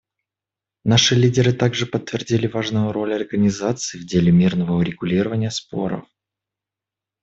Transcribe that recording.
Наши лидеры также подтвердили важную роль Организации в деле мирного урегулирования споров.